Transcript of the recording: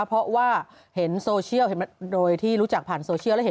เพราะว่าเห็นโซเชียลโดยที่รู้จักผ่านโซเชียล